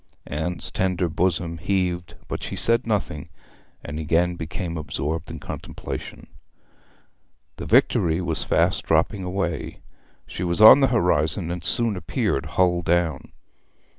Anne's tender bosom heaved, but she said nothing, and again became absorbed in contemplation. The Victory was fast dropping away. She was on the horizon, and soon appeared hull down.